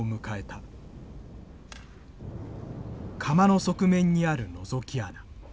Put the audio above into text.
釜の側面にあるのぞき穴。